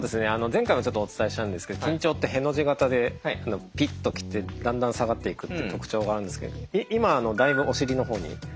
前回もちょっとお伝えしたんですけど緊張ってへの字型でピッと来てだんだん下がっていくって特徴があるんですけど今だいぶお尻の方に。